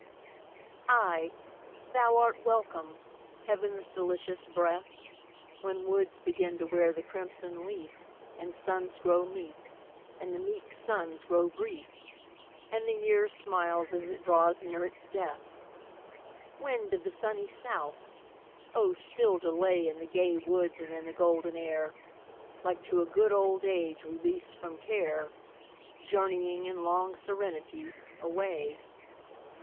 Ay, thou art welcome, heaven's delicious breath, When woods begin to wear the crimson leaf, And suns grow meek, and the meek suns grow brief, And the year smiles as it draws near its death. Wind of the sunny south! oh still delay In the gay woods and in the golden air, Like to a good old age released from care, Journeying, in long serenity, away.